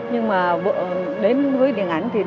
nhưng mà đến với điện ảnh thì